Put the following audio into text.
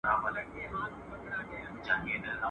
کرنه د سختۍ نښه ده.